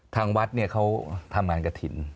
ทางวัดเนี่ยเขาทำงานกระถิ่น